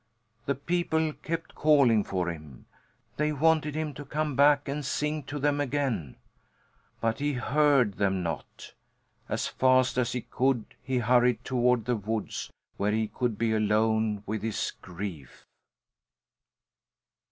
The people kept calling for him. They wanted him to come back and sing to them again. But he heard them not. As fast as he could go he hurried toward the woods, where he could be alone with his grief.